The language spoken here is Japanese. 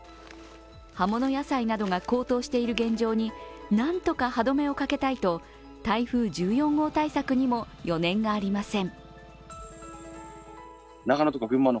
葉物野菜などが高騰している現状になんとか歯止めをかけたいと台風１４号対策にも余念がありません。